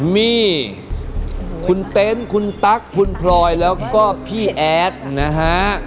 มีคุณเต็นต์คุณตั๊กคุณพลอยแล้วก็พี่แอดนะฮะ